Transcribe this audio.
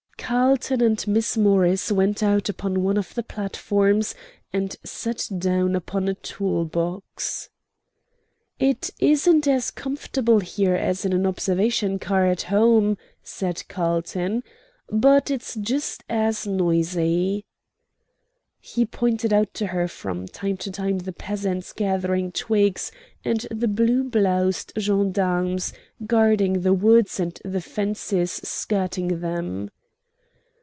Carlton and Miss Morris went out upon one of the platforms and sat down upon a tool box. "It's isn't as comfortable here as in an observation car at home," said Carlton, "but it's just as noisy." He pointed out to her from time to time the peasants gathering twigs, and the blue bloused gendarmes guarding the woods and the fences skirting them.